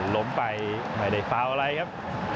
ล้มไปไม่ได้ฟาวอะไรครับ